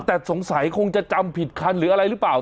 แต่สงสัยคงจะจำผิดคันหรืออะไรหรือเปล่า